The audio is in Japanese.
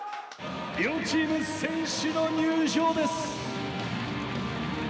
「両チーム選手の入場です！」。